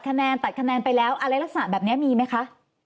คะน๊ี่ที่กำลังจะมีค่ะ